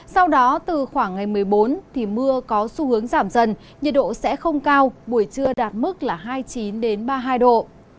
sau đó từ khoảng ngày một mươi bốn thì mưa có xu hướng giảm dần nhiệt độ sẽ không cao buổi trưa đạt mức là hai mươi chín ba mươi hai độ